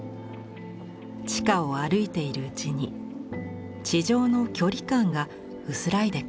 地下を歩いているうちに地上の距離感が薄らいでくる。